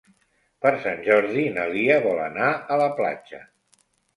Per Sant Jordi na Lia vol anar a la platja.